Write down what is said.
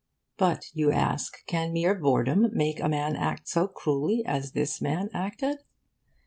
But, you ask, can mere boredom make a man act so cruelly as this man acted?